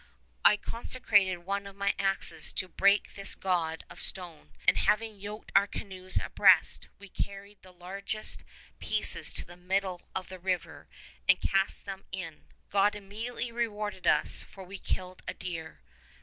"I consecrated one of my axes to break this god of stone, and, having yoked our canoes abreast, we carried the largest pieces to the middle of the river and cast them in. God immediately rewarded us, for we killed a deer."